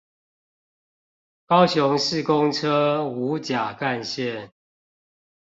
高雄市公車五甲幹線